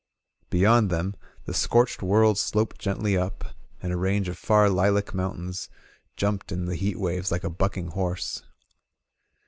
Beyond them, the scorched world sloped gently up, and a range of far lilac mountains jiunped in the heat waves like a bucking horse.